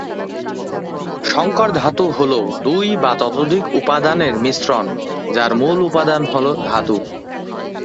সংকর ধাতু হল দুই বা ততোধিক উপাদানের মিশ্রণ, যার মূল উপাদান হল ধাতু।